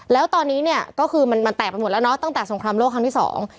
แล้วตอนนี้เนี่ยก็คือมันมันแตกไปหมดแล้วเนอะตั้งแต่สงครามโลกครั้งที่สอง